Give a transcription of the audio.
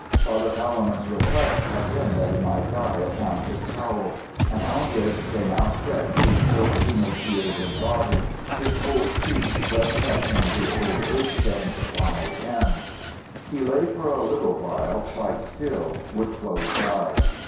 Father Palemon's request had been that he might die upon his cowl, and on this they now stretched his poor emaciated body, his cold feet just touching the old earth stains upon its hem. He lay for a little while quite still, with closed eyes.